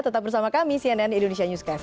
tetap bersama kami cnn indonesia newscast